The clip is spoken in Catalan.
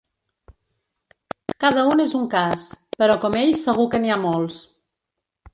Cada un és un cas, però com ell segur que n’hi ha molts.